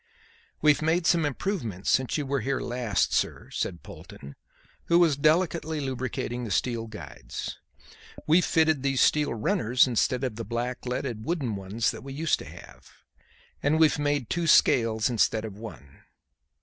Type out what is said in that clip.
"We've made some improvements since you were here last, sir," said Polton, who was delicately lubricating the steel guides. "We've fitted these steel runners instead of the blackleaded wooden ones that we used to have. And we've made two scales instead of one.